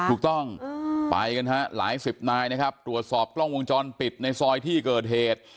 ถูกต้องไปกันฮะหลายสิบนายนะครับตรวจสอบกล้องวงจรปิดในซอยที่เกิดเหตุ